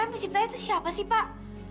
emang penciptanya itu siapa pak